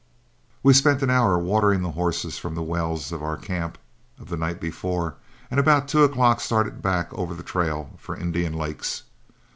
We spent an hour watering the horses from the wells of our camp of the night before, and about two o'clock started back over the trail for Indian Lakes.